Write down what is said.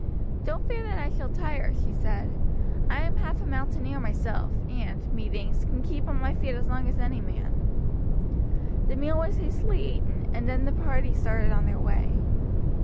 "Don't fear that I shall tire," she said. "I am half a mountaineer myself, and, methinks, can keep on my feet as long as any man." The meal was hastily eaten, and then the party started on their way.